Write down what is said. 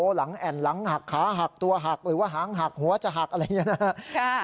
หลังแอ่นหลังหักขาหักตัวหักหรือว่าหางหักหัวจะหักอะไรอย่างนี้นะครับ